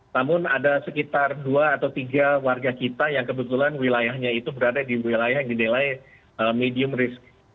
namun ada sekitar dua atau tiga warga kita yang kebetulan wilayahnya itu berada di wilayah yang dinilai medium risk